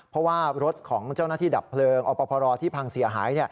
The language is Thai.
เพราะว่ารถของเจ้าหน้าที่ดับเพลิงอปพรที่พังเสียหาย